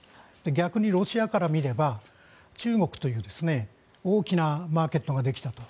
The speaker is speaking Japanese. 逆にロシアから見れば中国という大きなマーケットができたと。